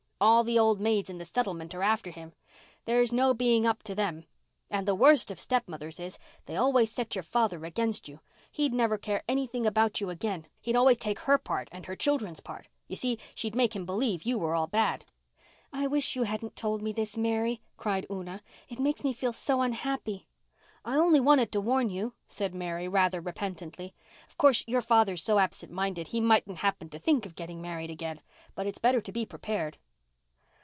"All the old maids in the settlement are after him. There's no being up to them. And the worst of stepmothers is, they always set your father against you. He'd never care anything about you again. He'd always take her part and her children's part. You see, she'd make him believe you were all bad." "I wish you hadn't told me this, Mary," cried Una. "It makes me feel so unhappy." "I only wanted to warn you," said Mary, rather repentantly. "Of course, your father's so absent minded he mightn't happen to think of getting married again. But it's better to be prepared."